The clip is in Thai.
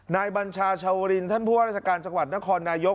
บัญชาชาวรินท่านผู้ว่าราชการจังหวัดนครนายก